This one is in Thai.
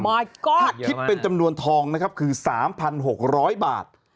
ก้อนคิดเป็นจำนวนทองนะครับคือ๓๖๐๐บาท